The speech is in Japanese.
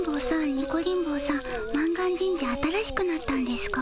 ニコリン坊さん満願神社新しくなったんですか？